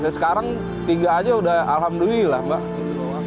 sekarang tiga aja udah alhamdulillah mbak